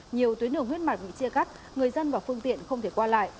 nhiều tuyến đường huyết mạch bị chia cắt người dân và phương tiện không thể qua lại